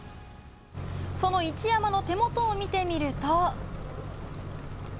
その一山の手元を見てみると。